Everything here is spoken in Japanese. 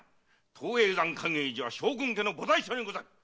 東叡山寛永寺は将軍家の菩提所にござる。